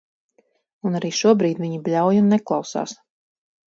Un arī šobrīd viņi bļauj un neklausās.